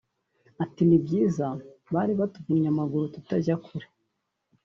Ati “ ni byiza bari batuvunnye amaguru tutajya kure